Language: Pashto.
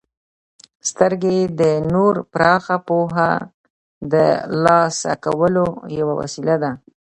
•سترګې د نور پراخه پوهه د ترلاسه کولو یوه وسیله ده.